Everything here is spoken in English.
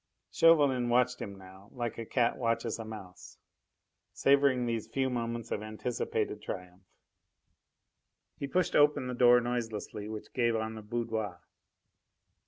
Chauvelin watched him now like a cat watches a mouse, savouring these few moments of anticipated triumph. He pushed open the door noiselessly which gave on the boudoir.